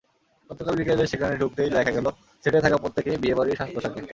গতকাল বিকেলে সেখানে ঢুকতেই দেখা গেল সেটে থাকা প্রত্যেকেই বিয়েবাড়ির সাজপোশাকে।